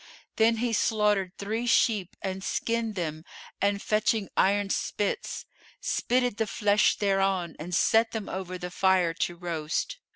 Then he slaughtered three sheep and skinned them and fetching iron spits, spitted the flesh thereon and set them over the fire to roast.